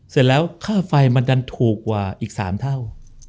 เสร็จแล้วค่าไฟมันดันถูกกว่าอีก๓เท่า